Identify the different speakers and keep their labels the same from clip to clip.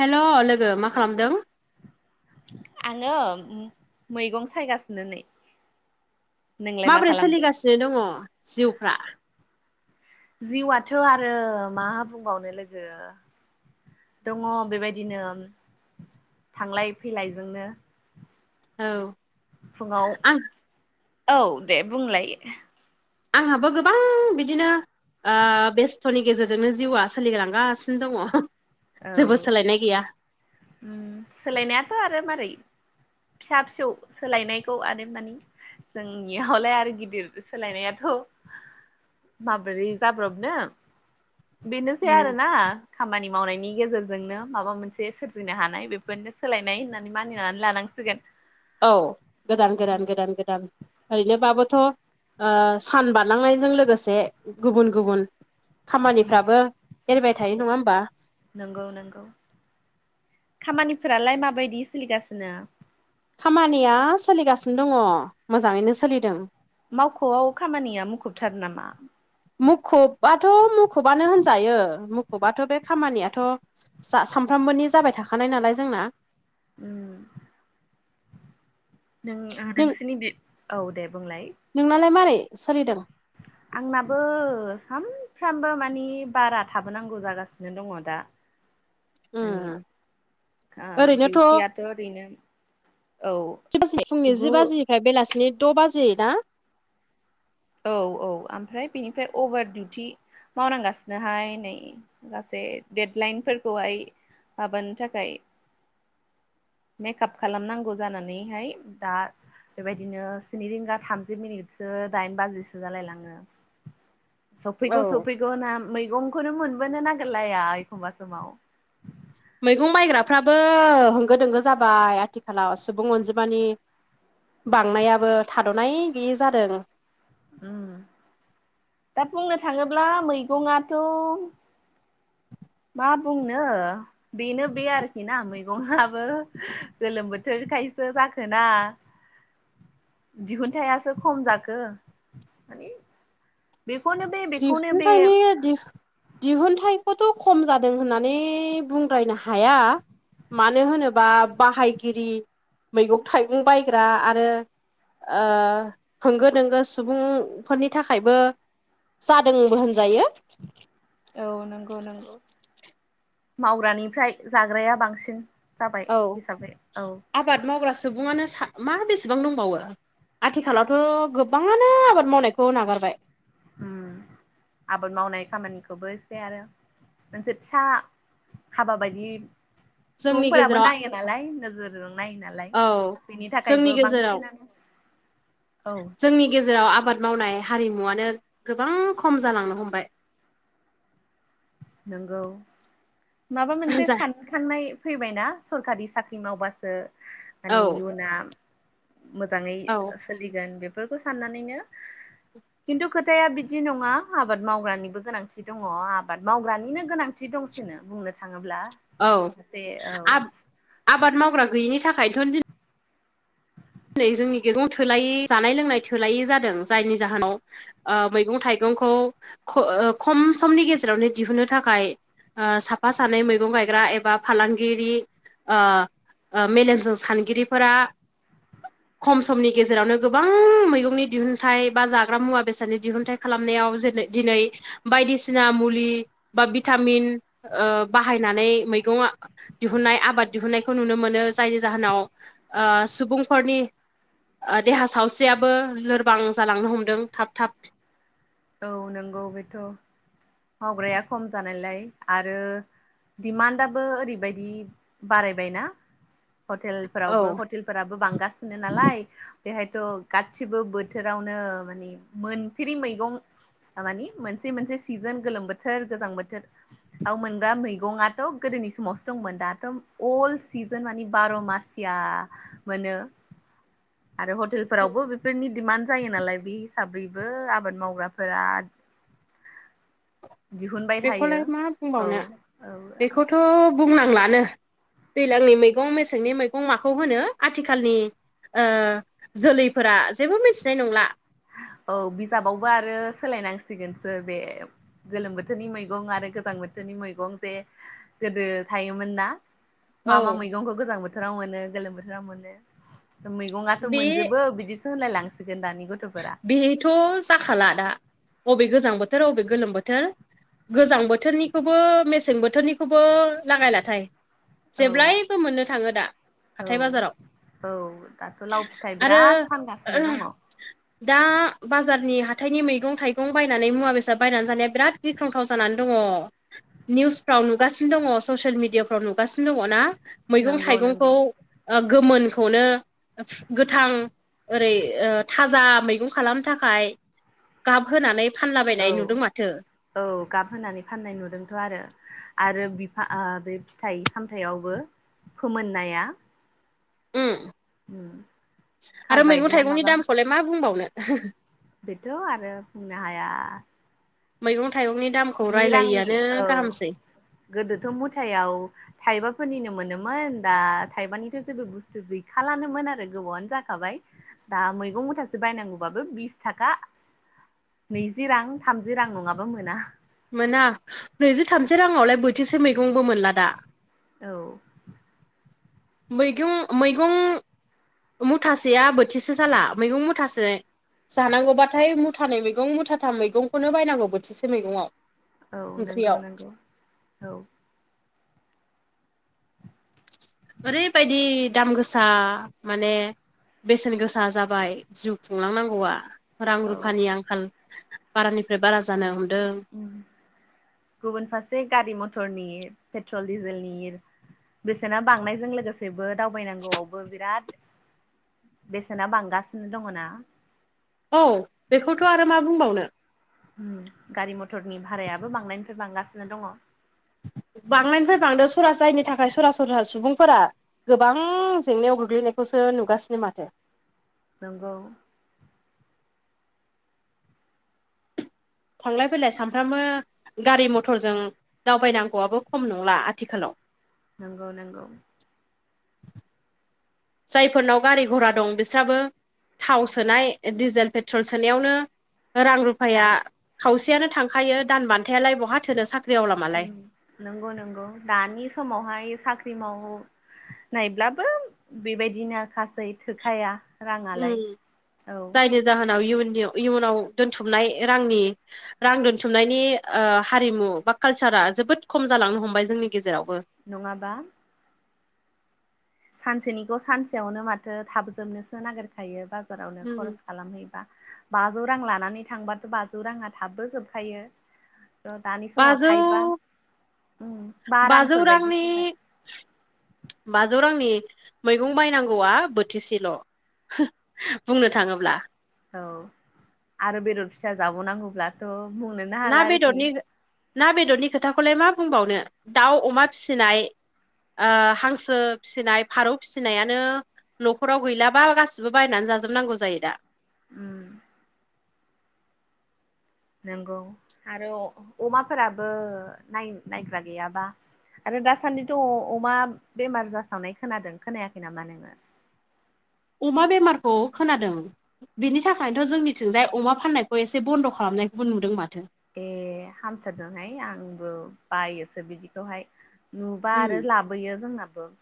Speaker 1: हेल' लोगो मा खालामदों
Speaker 2: आङो मैगं सायगासिनो नै नोंलाय मा
Speaker 1: माबोरै
Speaker 2: खालामदो?
Speaker 1: सोलिगासिनो दङ जिउफ्रा
Speaker 2: जिउआथ' आरो मा बुंबावनो लोगो दङ बेबायदिनो थांलाय फैलायजोंनो
Speaker 1: औ
Speaker 2: फुङाव
Speaker 1: आं
Speaker 2: औ दे बुंलायो
Speaker 1: आंहाबो गोबां बिदिनो बेस्थ'नि गेजेरजोंनो जिउआ सोलिलांगासिनो दङ
Speaker 2: औ
Speaker 1: जेबो सोलायनाय गैया
Speaker 2: सोलायनायाथ' आरो मारै फिसा फिसौ सोलायनायखौ आरो मानिे जोंनियावलाय आरो गिदिर सोलायनायाथ' माबोरै जाब्रबनो बेनोसै आरोना खामानि मावनायनि गेजेरजोंनो माबा मोनसे सोरजिनो हानाय बेफोरनो सोलायनाय होननानै मानिनानै लानांसिगोन
Speaker 1: औ गोदान गोदान गोदान गोदान ओरैनोबाबोथ' सान बारलांनायजों लोगोसे गुबुन गुबुन
Speaker 2: उम
Speaker 1: खामानिफ्राबो एरायबाय थायो
Speaker 2: औ
Speaker 1: नङा होमबा
Speaker 2: नंगौ नंगौ खामानिफोरालाय माबायदि सोलिगासिनो
Speaker 1: खामानिया सोलिगासिनो दङ मोजाङैनो सोलिदों
Speaker 2: मावख'आव खामानिया मुखुबथार नामा
Speaker 1: मुखुबाथ' मुखुबानो होनजायो मुखुबाथ' बे खामानियाथ' जा सानफ्रामबोनि जाबाय थाखानाय नालाय जोंना
Speaker 2: नों
Speaker 1: नों
Speaker 2: नोंसिनि औ दे बुंलाय
Speaker 1: नोंनालाय मारै सोलिदों
Speaker 2: आंनाबो सानफ्रामबो मानि बारा थाबोनांगौ जागासिनो दङ दा
Speaker 1: [unintelligible]
Speaker 2: मानि
Speaker 1: ओरैनोथ'
Speaker 2: डिउटियाथ' ओरैनो औ
Speaker 1: बाजि फुंनि जि
Speaker 2: गु
Speaker 1: बाजिनिफ्राय बेलासिनि द' बाजि ना
Speaker 2: औ औ ओमफ्राय बेनिफ्राय अभार दिउटि मावनांगासिनोहाय नै गाै देडलाइनफोरखौहाय हाबानो थाखाय मेकआप खालामनांगौ जानानैहाय दा बेबायदिनो स्नि रिंगा थामजि मिनिटसो दाइन बाजिसो जालाय लाङो
Speaker 1: औ
Speaker 2: सफैखौ सै मैगना मैगंखौनो मोनबोनो नागिरलाया एखमबा समाव
Speaker 1: मैगं माइग्राफ्राबो होंगो दोंगो जाबाय आथिखालाव सुबुं अनजिमानि बांनायाबो थाद'नाय गैयि जादों
Speaker 2: दा बुंनो थाङोब्ला मैगंङाथ मा बुंनो बेनो बे आरोखि ना मैगङआो गोलोम बोथोरखायसो जाखोना
Speaker 1: [unintelligible]
Speaker 2: दिहुनथायाइासो खम जाखो माने बेखौनो बे बेखौनो
Speaker 1: दिफनो
Speaker 2: बे
Speaker 1: थायनाय दि दिहुनथाइखौथ' खम जादों होननानै बुंद्रायनो हाया मानो होनोबा बाहायगिरि मैगं थाइगं बायग्रा आरो होंगो दोंगो सुबुंफोरनि थाखायबो जादोंबो होनजायो
Speaker 2: औ नंगौ नंगौ मावग्रानिफ्राय जाग्राया बांसिन जाबाय
Speaker 1: औ
Speaker 2: हिसाबै औ
Speaker 1: आबाद मावग्रा सुबुङानो मा बेसेबां दंबावो आथिखालावथ' गोबाङानो आबाद मावनायखौ नागारबाय।
Speaker 2: उम आबाद मावनाय खामानिखौबो एसे आरो मोनसे फिसा हाबा बायदि
Speaker 1: जोंनि
Speaker 2: सुबुंफोराबो
Speaker 1: गेजेराव
Speaker 2: नायो नालाय नोजोरजों नायो नालाय
Speaker 1: औ
Speaker 2: बेनि
Speaker 1: जोंनि
Speaker 2: थाखायबो
Speaker 1: गेजेराव
Speaker 2: बांसिनानो औ
Speaker 1: जोंनि गेजेराव आबाद मावनाय हारिमुवानो गोबां खम जालांनो हमबाय।
Speaker 2: नोंगौ माबा मोनसे
Speaker 1: जा
Speaker 2: सान खांनाय फैबायना सरखारि साख्रि मावबासो
Speaker 1: औ
Speaker 2: माने इयुना मोजाङै
Speaker 1: औ
Speaker 2: सोलिगोन बेफोरखौ साननानैनो खिन्थु खोथाया बिदि नङा आबाद मावग्रानिबो गोनांथि दङ आबाद मावग्रानिनो गोनांथि दंसिनो बुंनो थाङोब्ला।
Speaker 1: औ
Speaker 2: सासे
Speaker 1: आं आबाद मावग्रा गैयिनि थाखायथ दि
Speaker 2: [inaudible]
Speaker 1: दिनै जोंनि गेगं थोलायै जानाय लोंनाय थोलायै जादों जायनि जाहोनाव ओ मैगं, थाइगंखौ ख ओ खम समनि गेजेरावनो दिहुन्नो थाखाय ओ साफा सानै मैगं गायग्रा एबा फालांगिरि ओ ओ मेलेमजों सानगिरिफोरा खम समनि गेजेरावनो गोबां मैगंनि दिहुनथाइ बा जाग्रा मुवा बेसादनि दिहुनथाइ खालामनायाव [unintelligible] जेन दिनै बायदिसिना मुलि बा भिटामिन ओ बाहायनानै मैगंआ दिहुननाय आबाद दिहुननायखौ नुनो मोनो। जायनि जाहोनाव ओ सुबुं फोरनि ओ देहा सावस्रियाबो लोरबां जालांनो हमदों थाब थाब
Speaker 2: औ नंगौ बेथ मावग्राया खम जानायलाय आरो दिडमान्डआबो ओरैबायदि बारायबायना
Speaker 1: औ
Speaker 2: हटेलफोरावबो हटेल फोराबो बांगासिनो नालाय बेहायथ गासिबो बोथोरावनो माने मोनफेरि मैगं [unintelligible] थामानि मोनसे मोनसे सिजोन गोलोम बोथोर गोजां बोथोर आव मोनग्रा मैगंआथ गोदोनि समावसो दंमोन दाथ अल्ड सिजोन माने बार' मास थिया [unintelligible] मोनो
Speaker 1: [inaudible]
Speaker 2: आरो हटेलफोरावबो बेफोरनि डिमान्ड जायो नालाय बे हिसाबैबो आबाद मावग्राफोरा दिहुनबाय थायो
Speaker 1: बेखौलाय मा
Speaker 2: औ
Speaker 1: बुंबावनो
Speaker 2: औ
Speaker 1: बेखौथ बुंनांलानो दैलांनि मैगं, मेसेंनि मैगं माखौ होनो आथिखालनि ओ जोलैफोरा जेबो मिथिनाय नंला।
Speaker 2: औ बिजाबावबो आरो सोलायनांसिगोनसो बे गोलोम बोथोरनि मैगं आरो गोजां बोथोरनि मैगं जे गोदो थायोमोन ना मा
Speaker 1: औ
Speaker 2: मा मैगंखौ गोजां बोथोराव मोनो गोलोम बोथोराव मोनो। मैगंआथ
Speaker 1: बे
Speaker 2: मोनजोबो बिदिसो होनलाय लांसिगोन दानि गथ
Speaker 1: बेथ‌ जाखाला दा बबे गोजां बोथोर अबे गोलोम बोथोर गोजां बोथोरनिखौबो मेसें बोथोरनिखौबो लागायलाथाय
Speaker 2: औ
Speaker 1: जेब्लायबो मोननो थाङो दा
Speaker 2: औ
Speaker 1: हाथाय बाजाराव
Speaker 2: औ दाथ लाव फिथाइ
Speaker 1: आरो
Speaker 2: बिराद फानगासिनो दङ।
Speaker 1: दा बाजारनि हाथाइनि मैगं- थाइगं बायनानै मुवा बेसाद बायनानै जानाया बिराद गि थाव- थाव जानानै दङ निउसफ्राव नुगासिनो दङ ससियेल मिडियाफ्राव नुगासिनो दङ ना मैगं
Speaker 2: नंगौ
Speaker 1: थाइगंखौ
Speaker 2: नंगौ
Speaker 1: ओ गोमोनखौनो गोथां ओरै ओ थाजा मैगं खालामनो थाखाय गाब होनानै
Speaker 2: औ
Speaker 1: फानलाबायनाय नुदों माथो।
Speaker 2: औ गाब होनानै फाननाय नुदोंथ आरो आरो बिफा ओ बे फिथाइ सामथाइयावबो फोमोननाया
Speaker 1: ओम
Speaker 2: उम
Speaker 1: आरो मैगं
Speaker 2: कार्बाइड ना
Speaker 1: थाइगंनि
Speaker 2: माबा
Speaker 1: दामखौलाय मा बुंबावनो [unintelligible]
Speaker 2: बेथ आरो बुंनो हाया।
Speaker 1: मैगं थाइगंनि दामखौ
Speaker 2: जि रांनि
Speaker 1: रायलायिआनो
Speaker 2: औ
Speaker 1: गाहामसै।
Speaker 2: गोदोथ मुथायाव थाइबाफोरनिनो मोनोमोन दा थाइबानिथ' जेबो बुस्थु गैखालानोमोन आरो गोबावआनो जाखाबाय। दा मैगं मुथासे बायनांगौबाबो बिस थाखा नैजि रां थामजि जि रां नङाबा मोना
Speaker 1: मोना नैजि थामज रांआवलाय बोथिसे मैगंबो मोनला दा।
Speaker 2: औ
Speaker 1: मैगं मैगं मुथासेया बोथिसे जाला मैगं मुथासे जानांगौबाथाय मुथानै मैगं मुथाथाम मैगंखौनो बायनांगौ बोथिसे मैगंआव
Speaker 2: औ नोंगौ नोंगौ औ
Speaker 1: ओरैबायदि दाम गोसा माने बेसेन गोसा जाबाय जिउ खुंलांनांगौआ‌। रां
Speaker 2: औ
Speaker 1: रुफानि आंखाल बारानिफ्राय बारा जानो हमदों।
Speaker 2: गुबुन फारसे गारि मथरनि पेट्रल डिजेलनि बेसेना बांनायजों लोगोसेबो दावबायनांगौआवबो बिराद बेसेना बांगासिनो दङ ना
Speaker 1: औ बेखौथ' आरो मा बुंबावनो।
Speaker 2: ओम गारि मथरनि भारायाबो बांनायनिफ्राय बांगासिनो दङ।
Speaker 1: बांनायनिफ्राय बांदों सरा जायनि थाखाय सरासनस्रा सुबुंफोरा गोबां जेंनायाव गोग्लैनायखौसो नुगासिनो माथो।
Speaker 2: नंगौ
Speaker 1: थांलाय फैलाय सानफ्रामबो गारि मथरजों दावबायनांगौआबो खम नंला आथिखालाव।
Speaker 2: नंगौ नंगौ
Speaker 1: जायफोरनाव गारि घरा दं बिस्राबो थाव सोनाय डिजेल पेट्रल सोनायावनो रां रुफ
Speaker 2: दा
Speaker 1: फाया खावसेयानो थांखायो दान बान्थायालाय बहा थोनो साख
Speaker 2: ओम नंगौ नंगौ दानि समावहाय साख्रि मावो नायब्लाबो बेबायदिनो खासै थोखाया। राङालाय
Speaker 1: ओम
Speaker 2: औ
Speaker 1: जायनि जाहोनाव इयुनि इयुनाव दोनथुमनाय रांनि रां दोनथुमनायनि ओ हारिमु बा कालसारा जोबोद खम जालांनो हमबाय जोंनि गेजेरावबो।
Speaker 2: नङाबा सानसेनिखौ सानसेयावनो माथो थाबोजोबनोसो नागिरखायो बाजारावनो
Speaker 1: उम
Speaker 2: खरस खालामहैबा बाजौ रां लानानै थांबाथ' बाजौ राङा थाबबो जोबखायो। र' दानि समाव
Speaker 1: बाजौ
Speaker 2: थायबा बा
Speaker 1: बाजौ
Speaker 2: रांफोर बायदि जाबाय।
Speaker 1: रांनि बाजौ रांनि मैगं बायनांगौआ बोथिसेल'। बुंनो थाङोब्ला
Speaker 2: औ आरो बेदर फिसा जाबावनांगौब्ला थ' बुंनो नां
Speaker 1: ना बेदरनि ना बेदरनि खोथाखौलाय मा बुंबावनो दाउ अमा फिसिनाय ओ हांसो फिसिनाय फारौ फिसिनायानो न'खराव गैलाबा गासिबो बायनानै जाजोबनांगौ जायो दा।
Speaker 2: उम नंगौ आरो अमाफोराबो नाय नायग्रा गैयाबा आरो दासान्दिथ' अमा बेमार जासावनाय खोनादों खोनायाखै नामा नोङो?
Speaker 1: अमा बेमारखौ खोनादों। बेनि थाखायनोथ' जोंनिथिंजाय अमा फाननायखौ एसे बन्द' खालामनायखौबो नुदों माथो।
Speaker 2: ए हामथारदोंहाय आंबो बायोसो बिदिखौहाय। नुबा
Speaker 1: उम
Speaker 2: आरो लाबोयो जोंनाबो।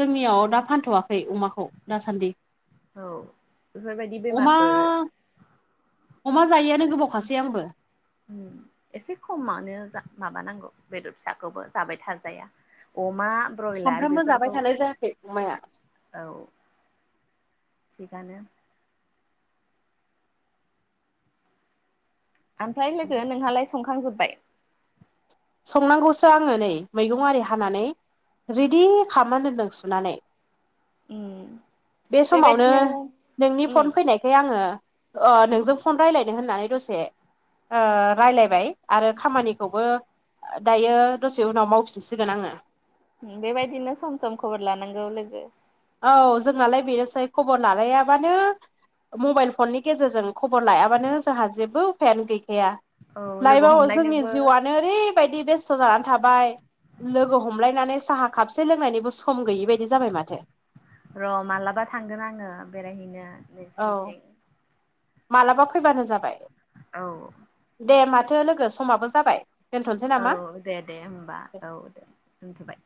Speaker 1: जोंनियाव दा फानथ'वाखै अमाखौ। दासान्दि
Speaker 2: औ बेफोरबायदि
Speaker 1: अमा
Speaker 2: बेमारफोर
Speaker 1: अमा जायैआनो गोबावखासै आंबो
Speaker 2: ओम एसे खमावनो जा माबानांगौ बेदर फिसाखौबो जाबाय थाजाया अमा ब्रयलार
Speaker 1: साफ्रामबो जाबाय
Speaker 2: बेफोरखौ
Speaker 1: थानाय जायाखै अमाया
Speaker 2: औ थिगानो ओमफ्राय लोगो नोंहालाय संखांजोबबाय
Speaker 1: संनांगौसो आङो नै मैगं आरि हानानै रेडि खालामना दोन्दों सुनानै
Speaker 2: उम
Speaker 1: बे समावनो
Speaker 2: बेबायदिनो
Speaker 1: नोंनि
Speaker 2: उम
Speaker 1: फन फैनाय नै आङो ओ नोंजों फन रायज्लायनो होननानै दसे ओ रायलायबाय आरो खामानिखौबो दायो दसे उनाव मावफिनसिगोन आङो
Speaker 2: बेबायदिनो सम सम खबर लानांगौ लोगो
Speaker 1: औ जोंहालाय बेनोसै मबाइल फननि गेजेरजों खबर लायाबानो जोंहा जेबो उफायानो गैखाया
Speaker 2: औ लोगो
Speaker 1: लाइफआव जोंनि
Speaker 2: हमलायनोबो
Speaker 1: जिउआनो ओरैबायदि बेस्थ' जानानै थाबाय लोगो हमलायनानै साहा खापसे लोंनायनिबो सम गैयि बायदि जाबाय माथो
Speaker 2: र' मालाबा थांगोन आङो बेरायहैनो
Speaker 1: औ
Speaker 2: नोंसिनिथिं
Speaker 1: मालाबा फैबानो जाबाय
Speaker 2: औ
Speaker 1: दे माथो लोगो समाबो जाबाय दोनथ'नोसै
Speaker 2: औ
Speaker 1: नामा
Speaker 2: दे दे होमबा औ दे दोनथ'बाय